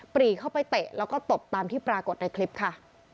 ปรีเข้าไปเตะแล้วก็ตบตามที่ปรากฏในคลิปค่ะ